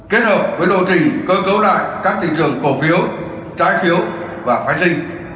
kết hợp với lộ trình cơ cấu lại các thị trường cổ phiếu trái phiếu và phái sinh